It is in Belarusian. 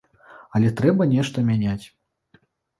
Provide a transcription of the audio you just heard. Але трэба нешта мяняць.